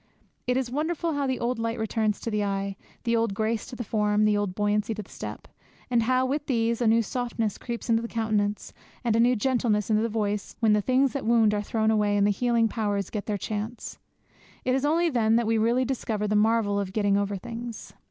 It is wonderful how the old light returns to the eye, the old grace to the form, the old buoyancy to the step, and how, with these, a new softness creeps into the countenance and a new gentleness into the voice when the things that wound are thrown away and the healing powers get their chance. It is only then that we really discover the marvel of getting over things.